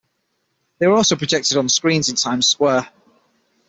They were also projected on screens in Times Square.